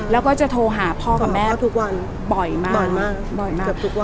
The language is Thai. แล้วก็จะโทรหาพ่อกับแม่บ่อยมาก